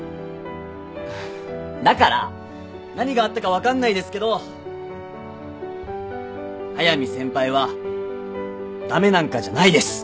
だから何があったか分かんないですけど速見先輩は駄目なんかじゃないです！